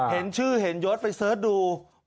เห็นชื่อเห็นยศไปเสิร์ชดู